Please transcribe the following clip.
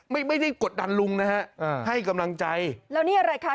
ไม่ได้กดดันลุงนะฮะอ่าให้กำลังใจแล้วนี่อะไรคะ